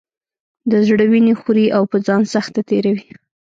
د زړه وینې خوري او په ځان سخته تېروي.